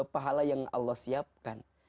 pahala yang allah siapkan